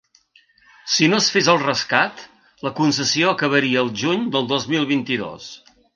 Si no es fes el rescat, la concessió acabaria el juny del dos mil vint-i-dos.